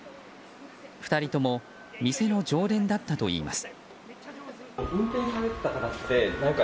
２人とも店の常連だったといいます。